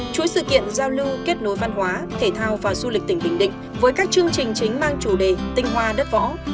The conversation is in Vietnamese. chuỗi sự kiện giao lưu kết nối văn hóa thể thao và du lịch tỉnh bình định với các chương trình chính mang chủ đề tinh hoa đất võ